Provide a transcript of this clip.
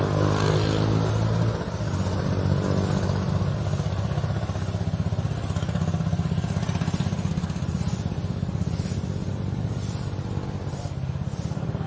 สวัสดีครับทุกคนขอบคุณทุกคนทุกวันใหม่ขอบคุณทุกวันใหม่ขอบคุณทุกวันใหม่